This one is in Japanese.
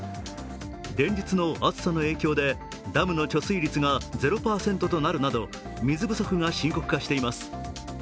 連日の暑さの影響でダムの貯水率が０％となるなど水不足が深刻化しています。